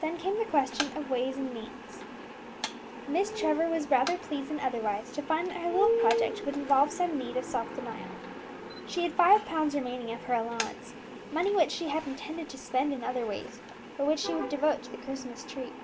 Then came the question of ways and means. Miss Trevor was rather pleased than otherwise to find that her little project would involve some need of self denial. She had five pounds remaining of her allowance, money which she had intended to spend in other ways, but which she would devote to the Christmas treat.